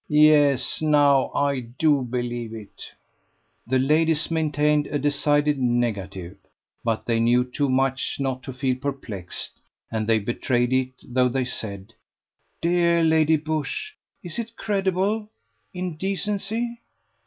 Yes, now I do believe it." The ladies maintained a decided negative, but they knew too much not to feel perplexed, and they betrayed it, though they said: "Dear Lady Busshe! is it credible, in decency?"